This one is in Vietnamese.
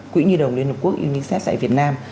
quỹ nhi đồng liên hợp quốc unicef tại việt nam